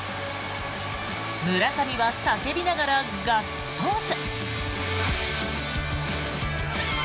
村上は叫びながらガッツポーズ。